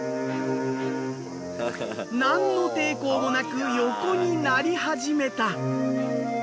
なんの抵抗もなく横になりはじめた。